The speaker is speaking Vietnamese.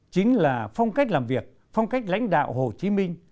chính là phong cách làm việc phong cách lãnh đạo hồ chí minh